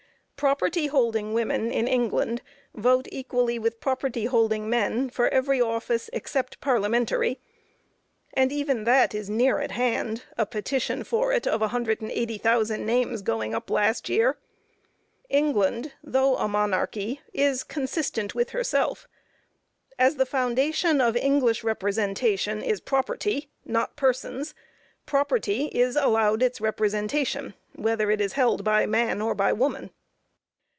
Property holding women in England, vote equally with property holding men, for every office except Parliamentary, and even that is near at hand, a petition for it of 180,000 names going up last year. England, though a monarchy, is consistent with herself. As the foundation of English representation is property, not persons, property is allowed its representation, whether it is held by man or by woman.